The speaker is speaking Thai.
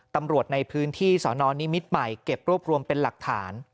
ตำรวจในพื้นที่สนนิมิตรใหม่เก็บรวบรวมเป็นหลักฐาน